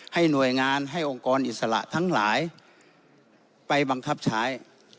ให้หน่วยงานให้องค์กรอิสระทั้งหลายไปบังคับใช้